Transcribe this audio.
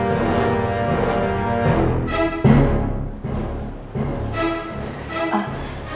tapi salam dulu sama nenek